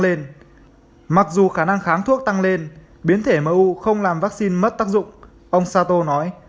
lên mặc dù khả năng kháng thuốc tăng lên biến thể mu không làm vaccine mất tác dụng ông sato nói